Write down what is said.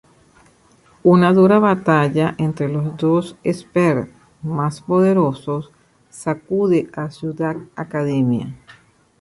Una dura batalla entre los dos espers más poderosos sacude a Ciudad Academia.